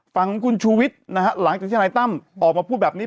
ฝั่งของคุณชูวิทย์นะฮะหลังจากที่ทนายตั้มออกมาพูดแบบนี้